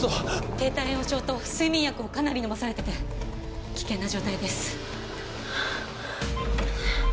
低体温症と睡眠薬をかなり飲まされてて危険な状態です。